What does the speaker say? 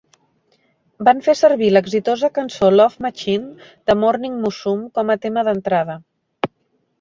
Van fer servir l'exitosa cançó "Love Machine" de Morning Musume com a tema d'entrada.